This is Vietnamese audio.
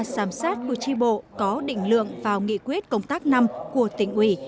sám sát của tri bộ có định lượng vào nghị quyết công tác năm của tỉnh ủy